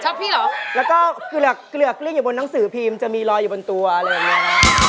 ชอบพี่หรอแล้วก็เกลือกเกลือกเลี้ยงอยู่บนหนังสือพรีมจะมีรอยอยู่บนตัวอะไรอย่างเงี้ยนะ